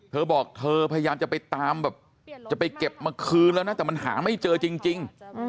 เธอบอกเธอพยายามจะไปตามแบบจะไปเก็บมาคืนแล้วนะแต่มันหาไม่เจอจริง